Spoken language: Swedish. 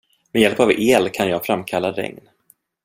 Med hjälp av el kan jag framkalla regn.